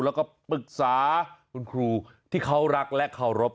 แล้วก็ปรึกษาคุณครูที่เขารักและเคารพ